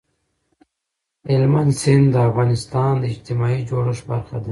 هلمند سیند د افغانستان د اجتماعي جوړښت برخه ده.